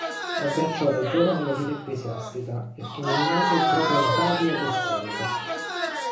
Abbracciò da giovane la vita ecclesiastica e fu nominato protonotario apostolico.